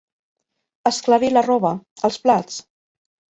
Esclarir la roba, els plats.